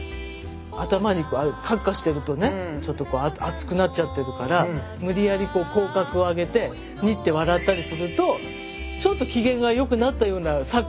頭にかっかしてるとねちょっと熱くなっちゃってるから無理やり口角を上げてニッて笑ったりするとちょっと機嫌がよくなったような錯覚をするというか。